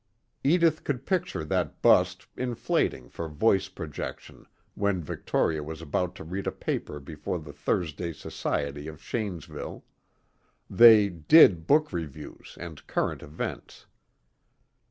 Edith could picture that bust inflating for voice projection when Victoria was about to read a paper before the Thursday Society of Shanesville they "did" book reviews and current events.